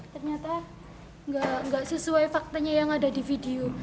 ternyata nggak sesuai faktanya yang ada di video